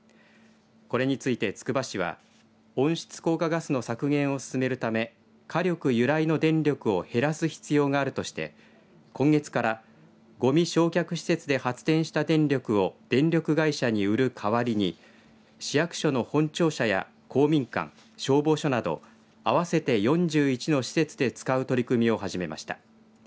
これについて、つくば市は温室効果ガスの削減を進めるため火力由来の電力を減らす必要があるとして今月からごみ焼却施設で発電した電力を電力会社に売る代わりに市役所の本庁舎や公民館消防署など合わせて４１の施設で使う取り組みを始めました。